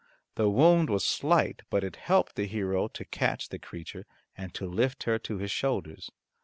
The wound was slight, but it helped the hero to catch the creature, and to lift her to his shoulders.